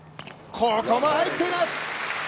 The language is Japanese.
ここも入っています！